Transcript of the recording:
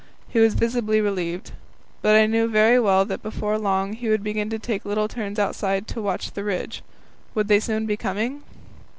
He was visibly relieved. But I knew very well that before long he would begin to take little turns outside to watch the ridge. Would they soon be coming?